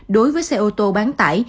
đối với xe ô tô bán tải